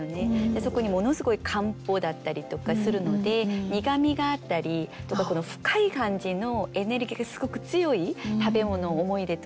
そこにものすごい漢方だったりとかするので苦みがあったりとか深い感じのエネルギーがすごく強い食べ物を思い出として持ってますね。